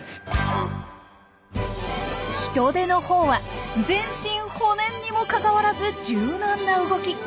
ヒトデのほうは全身骨にもかかわらず柔軟な動き！